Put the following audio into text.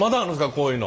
こういうの。